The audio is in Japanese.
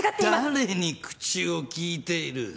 誰に口を利いている。